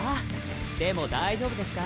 でも大丈夫ですか？